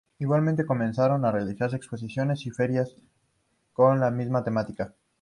Igualmente comenzaron a realizarse exposiciones y ferias con la misma temática.